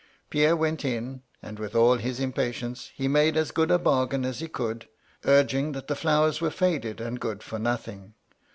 Pierre went in, and, with all his impatience, he made as good a bargain as he could, urging that the flowers were faded, and good for nothing.